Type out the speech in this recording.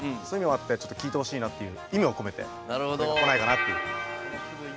そういう意味もあって聴いてほしいなっていう意味を込めてこれがこないかなっていう。